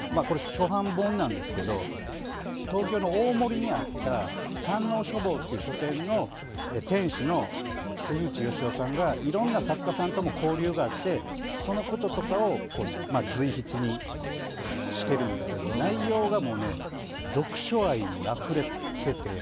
初版本なんですけど東京の大森にあった山王書房っていう書店の店主の関口良雄さんがいろんな作家さんとも交流があって、そのこととかを随筆にしてるんですけど内容が読書愛にあふれてて。